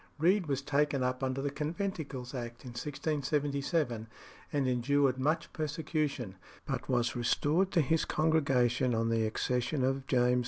Read was taken up under the Conventicles Act in 1677, and endured much persecution, but was restored to his congregation on the accession of James II.